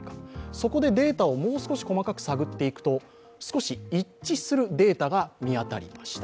そこでデータをもう少し細かく探っていくと少し一致するデータが見当たりました。